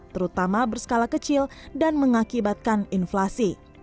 terutama berskala kecil dan mengakibatkan inflasi